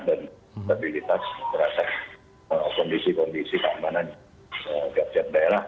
dan stabilitas terhadap kondisi kondisi keamanan kiab qiab daerah